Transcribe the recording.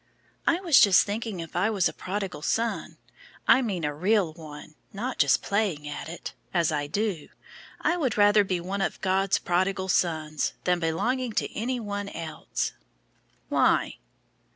"I was just thinking if I was a prodigal son I mean a real one, not just playing at it, as I do I would rather be one of God's prodigal sons, than belonging to any one else." "Why?"